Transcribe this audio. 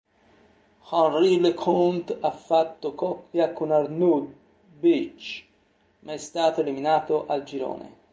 Henri Leconte ha fatto coppia con Arnaud Boetsch, ma è stato eliminato al girone.